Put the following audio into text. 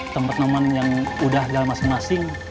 teman teman yang udah jalan masing masing